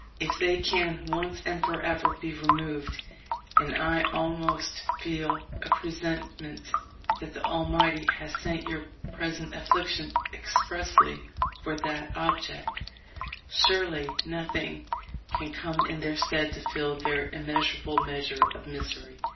If they can once and forever be removed (and I almost feel a presentiment that the Almighty has sent your pres ent affliction expressly for that object), surely noth ing can come in their stead to fill their immeasur able measure of misery